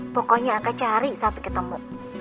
pokoknya akang cari saat ketemu